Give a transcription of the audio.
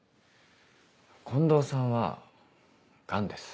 近藤さんは癌です